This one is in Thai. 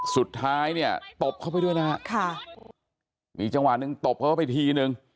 สุดท้ายเนี่ยตบเข้าไปด้วยนะฮะค่ะมีจังหวะหนึ่งตบเข้าไปทีนึง